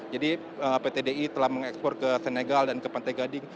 jadi pt di telah mengekspor ke senegal dan ke pantai gading